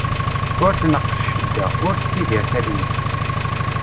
Ur tneqq cedda, ur tessidir telwit.